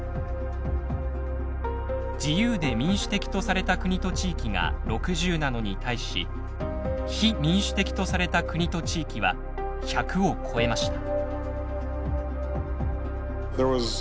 自由で民主的とされた国と地域が６０なのに対し非民主的とされた国と地域は１００を超えました。